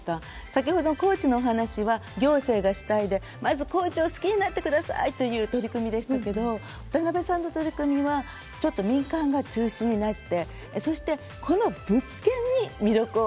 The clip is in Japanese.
先ほど高知のお話は行政が主体でまず高知を好きになってくださいという取り組みでしたけど渡邊さんの取り組みはちょっと民間が中心になってそしてこの物件に魅力を。